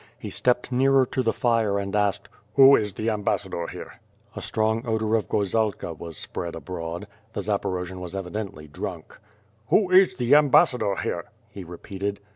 He stepped nearer to the fire and asked: "Who is the ambassador here?" A strong odor of gorzalka was spread abroad. The Zaporo jian was evidently drunk. "Who is the ambassador here?" he repeated.